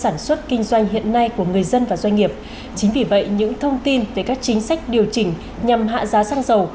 chính vì vậy những thông tin về các chính sách điều chỉnh nhằm hạ giá xăng dầu